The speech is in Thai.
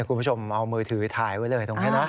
คุณผู้ชมเอามือถือถ่ายไว้เลยตรงนี้นะ